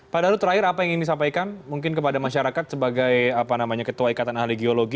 pak daru terakhir apa yang ingin disampaikan mungkin kepada masyarakat sebagai ketua ikatan ahli geologi